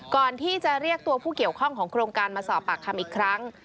ก่อนที่จะเรียกตัวผู้เกี่ยวข้องของโครงการมาสอบปากคำอีกครั้ง